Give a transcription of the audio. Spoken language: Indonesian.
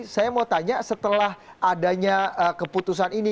saya mau tanya setelah adanya keputusan ini